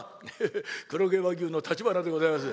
黒毛和牛のたちばなでございます。